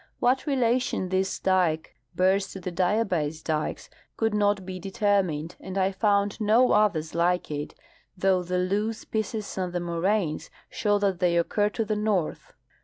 What relation this dike bears to the diabase dikes could not be determined, and I found no others like it, though the loose pieces on the moraines show that they occur to the north.